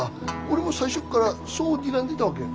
俺も最初からそうにらんでいたわけ。